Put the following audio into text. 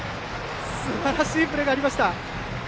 すばらしいプレーがありました。